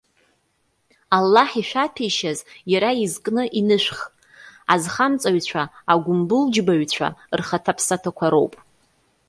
Аллаҳ ишәаҭәеишьаз, иара изкны инышәх. Азхамҵаҩцәа, агәымбылџьбаҩцәа рхаҭаԥсаҭақәа роуп.